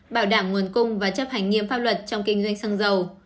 bảo đảm nguồn cung và chấp hành nghiêm pháp luật trong kinh doanh xăng dầu